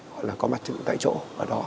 hoặc là có mặt tự tại chỗ ở đó